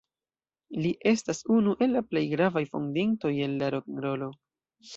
Li estas unu el la plej gravaj fondintoj de la rokenrolo.